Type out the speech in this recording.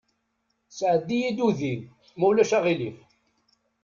Sɛeddi-yi-d udi, ma ulac aɣilif.